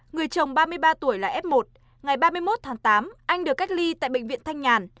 người chồng ba mươi ba tuổi là f một ngày ba mươi một tháng tám anh được cách ly tại bệnh viện thanh nhàn